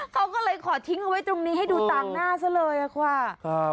เขาก็เลยขอทิ้งเอาไว้ตรงนี้ให้ดูต่างหน้าซะเลยค่ะ